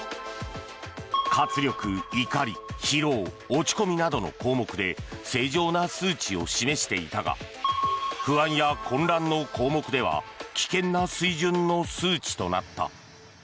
活力、怒り、疲労落ち込みなどの項目で正常な数値を示していたが不安や混乱の項目では危険な水準の数値となった。